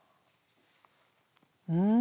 うん！